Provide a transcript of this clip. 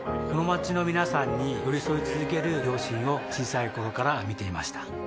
この街の皆さんに寄り添い続ける両親を小さい頃から見ていました